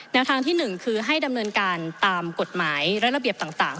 ทางที่๑คือให้ดำเนินการตามกฎหมายและระเบียบต่าง